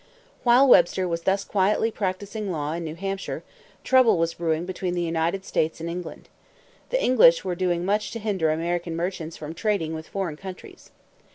While Webster was thus quietly practicing law in New Hampshire, trouble was brewing between the United States and England. The English were doing much to hinder American merchants from trading with foreign countries.